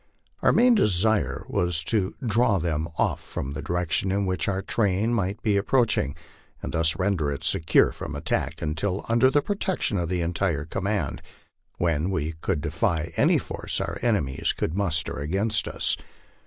Our main desire was to draw them off from the direction in which our train might be approaching, and thus render it secure from attack until under the protection of the entire command, when we could defy any force our enemies, could muster against us.